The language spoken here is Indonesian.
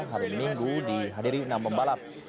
hari minggu dihadiri enam pembalap